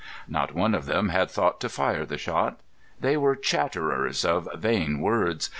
Not one of them had thought to fire the shot. They were chatterers of vain words.